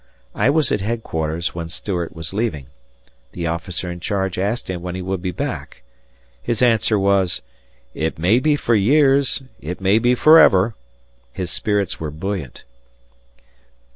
I was at headquarters when Stuart was leaving. The officer in charge asked him when he would be back. His answer was, "It may be for years, it may be forever." His spirits were buoyant.